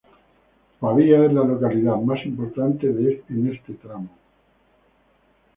Pavía es la localidad más importante en este tramo.